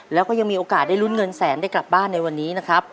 แล้วก็ยังมีโอกาสได้ลุ้นเงินแสนได้กลับบ้านในวันนี้นะครับ